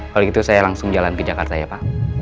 kalau gitu saya langsung jalan ke jakarta ya pak